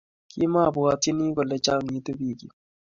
Kimabwatyini kole changitu biik yuu